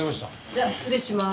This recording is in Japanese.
じゃあ失礼します。